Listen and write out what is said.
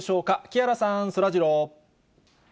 木原さん、そらジロー。